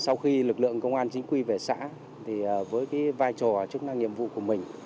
sau khi lực lượng công an chính quy về xã thì với vai trò chức năng nhiệm vụ của mình